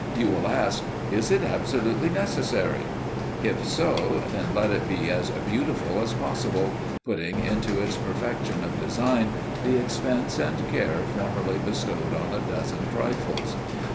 You will ask, "Is it absolutely necessary?" If so, then let it be as beautiful as possible, putting into its perfection of design the expense and care formerly bestowed on a dozen trifles.